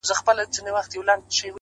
• شرنګ د زولنو به دي غوږو ته رسېدلی وي,